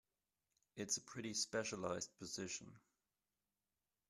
It's a pretty specialized position.